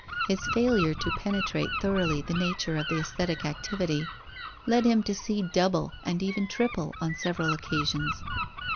His failure to penetrate thoroughly the nature of the aesthetic activity led him to see double and even triple, on several occasions.